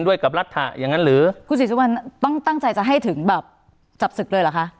ด้วยกับรัฐฐะอย่างนั้นหรือคุณสิทธิวันตั้งใจจะให้ถึงแบบจับสึกเลยเหรอคะ